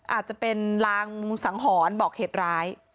อาจจะเป็นลางสังหรณ์บอกเหตุร้าย